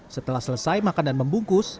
setelah selesai makan dan membungkus